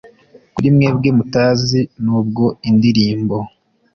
kuri mwebwe mutazi (nubwo indirimbo